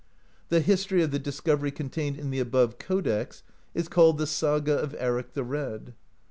The history of the discov ery contained in the above codex is called the "Saga of Eric the Red."